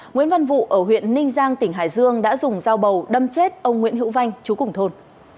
nguyễn văn vụ ở huyện ninh giang tỉnh hải dương đã dùng dao bầu đâm chết ông nguyễn hữu vanh chú cùng thôn